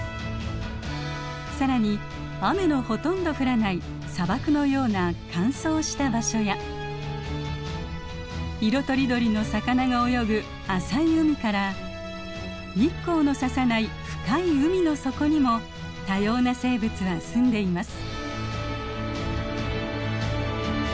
更に雨のほとんど降らない砂漠のような乾燥した場所や色とりどりの魚が泳ぐ浅い海から日光のささない深い海の底にも多様な生物はすんでいます。